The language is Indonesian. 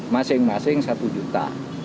masing masing satu juta